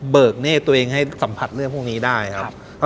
เนธตัวเองให้สัมผัสเรื่องพวกนี้ได้ครับ